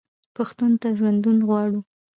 پښتون ته ژوندون غواړو.